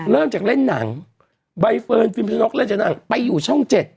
เริ่มจากเล่นหนังใบเฟิร์นพิมพิชนกเริ่มจากหนังไปอยู่ช่อง๗